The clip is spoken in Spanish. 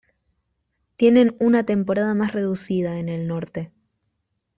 Tienen una temporada más reducida en el norte.